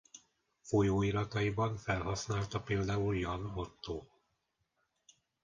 Folyóirataiban felhasználta például Jan Otto.